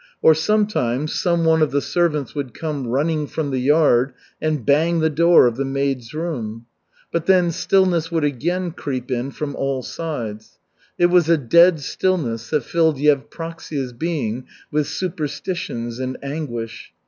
Or sometimes, some one of the servants would come running from the yard and bang the door of the maids' room. But then stillness would again creep in from all sides. It was a dead stillness that filled Yevpraksia's being with superstitions and anguish.